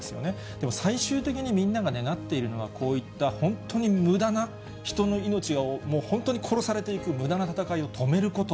でも最終的にみんながなっているのは、こういった本当にむだな、人の命が本当に殺されていくむだな戦いを止めること。